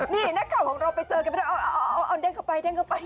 นี่นักข่าวของเราไปเจอกันเอาเด้งเข้าไป